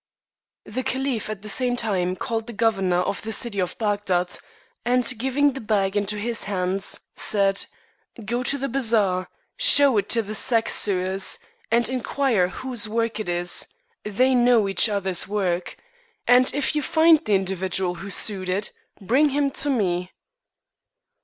The caliph at the same time called the governor of the city of Baghdad, and giving the bag into his hands, said, " Go to the bazaar, show it to the sack sewers, and inquire whose work it is ; they know each other's work ; and if you find the individual who sewed it, bring him to me."